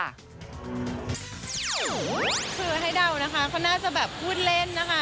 คือให้เดานะคะเขาน่าจะแบบพูดเล่นนะคะ